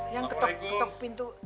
yang ketok ketok pintu